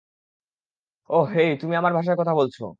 ওহ, hey, তুমি আমার ভাষায় কথা বলছো!